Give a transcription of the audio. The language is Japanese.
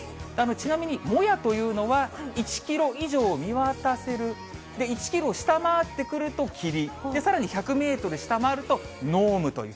ちなみにもやというのは、１キロ以上見渡せる、１キロ下回ってくると霧、さらに１００メートル下回ると濃霧という。